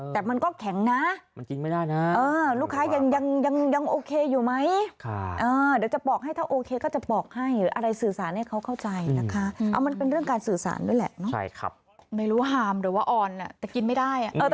แต่มันก็แข็งนะ